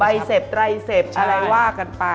ใบเสบไตรเสบอะไรว่ากันไป